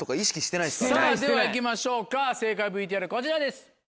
さぁでは行きましょうか正解ＶＴＲこちらです。